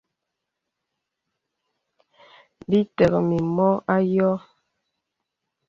Bì tək mìmɔ a yɔ̄ɔ̄.